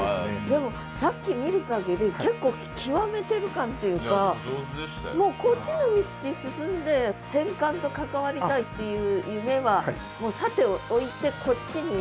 でもさっき見るかぎり結構極めてる感っていうかもうこっちの道進んで戦艦と関わりたいっていう夢はさておいてこっちに今？